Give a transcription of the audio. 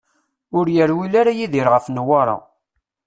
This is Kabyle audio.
Ur yerwil ara Yidir ɣef Newwara.